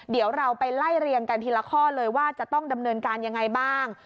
เดี๋ยวเราไปไล่เรียงกันทีละข้อเลยว่าจะต้องดำเนินการยังไงบ้าง